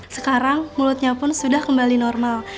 sekarang mulutnya pun sudah kembali normal